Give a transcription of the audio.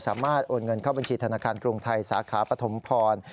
โอนเงินเข้าบัญชีธนาคารกรุงไทยสาขาปฐมพร